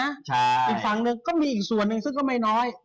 อีกฝั่งหนึ่งก็มีอีกส่วนหนึ่งซึ่งก็ไม่น้อย